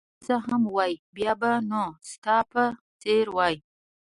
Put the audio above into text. هو، کاشکې زه هم وای، بیا به نو ستا په څېر وای.